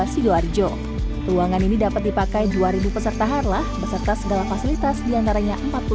dua sidoarjo ruangan ini dapat dipakai dua ribu peserta harlah peserta segala fasilitas diantaranya empat puluh lima